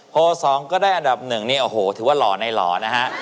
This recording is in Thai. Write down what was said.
๒ก็ได้อันดับหนึ่งนี่โอ้โหถือว่าหล่อในหล่อนะฮะ